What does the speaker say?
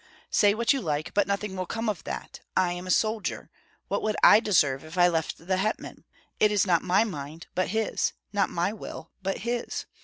"Say what you like, but nothing will come of that. I am a soldier; what would I deserve if I left the hetman? It is not my mind, but his; not my will, but his.